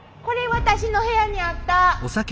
これ私の部屋にあった！